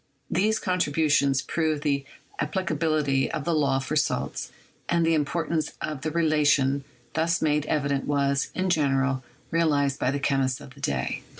These contribu tions proved the applicability of the law for salts, and the importance of the relation thus made evident was, in general, realized by the chemists of the day.